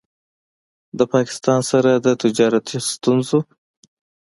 د پاکستان سره د تجارتي ستونځو